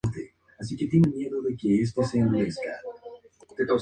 El jugador que haya ganado la baza anterior, deberá iniciar la siguiente.